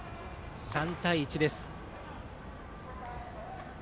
３対１です。